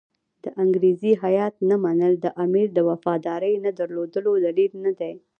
د انګریزي هیات نه منل د امیر د وفادارۍ نه درلودلو دلیل نه دی.